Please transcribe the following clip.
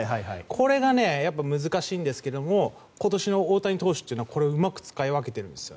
これが難しいんですが今年の大谷投手はこれをうまく使い分けています。